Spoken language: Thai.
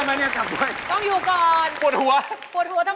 ผมถูกกว่า